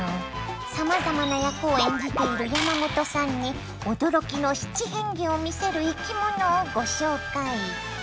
さまざまな役を演じている山本さんに驚きの七変化を見せる生き物をご紹介。